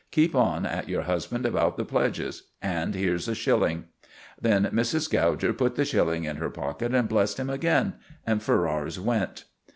Keep on at your husband about the pledge; and here's a shilling." Then Mrs. Gouger put the shilling in her pocket and blessed him again. And Ferrars went.